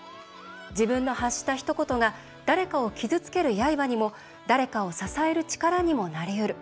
自分の発した、ひと言が誰かを傷つける、やいばにも誰かを支える力にもなりうる。